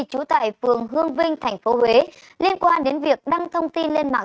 trú tại phường hương vinh tp huế liên quan đến việc đăng thông tin lên mạng